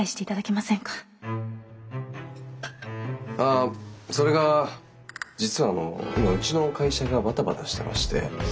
あそれが実はあの今うちの会社がバタバタしてまして。